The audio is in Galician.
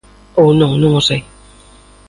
Ou non, non o sei.